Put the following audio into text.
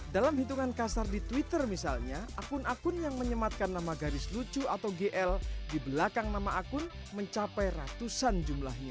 dalam hitungan kasar di twitter misalnya akun akun yang menyematkan nama garis lucu atau gl di belakang nama akun mencapai ratusan jumlahnya